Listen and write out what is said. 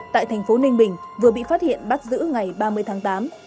tại thành phố ninh bình vừa bị phát hiện bắt giữ ngày ba mươi tháng tám